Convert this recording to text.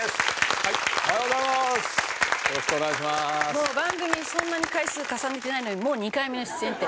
もう番組そんなに回数重ねてないのにもう２回目の出演って。